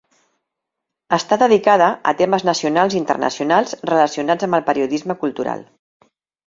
Està dedicada a temes nacionals i internacionals relacionats amb el periodisme cultural.